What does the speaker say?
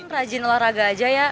rajin olahraga aja ya